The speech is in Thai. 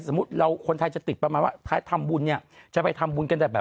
สมมุติเราคนไทยจะติดประมาณว่าใครทำบุญ